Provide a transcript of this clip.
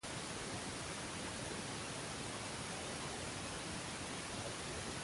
La mayoría de las estrellas T Tauri se encuentran en sistemas binarios.